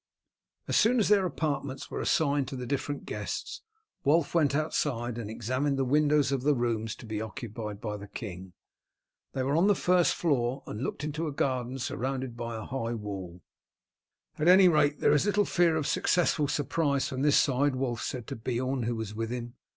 As soon as their apartments were assigned to the different guests Wulf went outside and examined the windows of the rooms to be occupied by the king. They were on the first floor, and looked into a garden surrounded by a high wall. "At any rate, there is little fear of a successful surprise from this side," Wulf said to Beorn, who was with him.